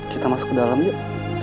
kita masuk ke dalam yuk